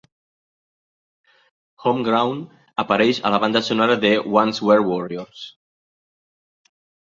"Homegrown" apareix a la banda sonora de "Once Were Warriors".